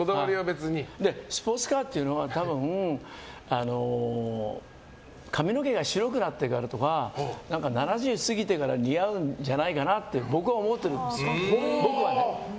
スポーツカーっていうのは多分髪の毛が白くなってからとか７０過ぎてから似合うんじゃないかなって僕は思ってるんですよ。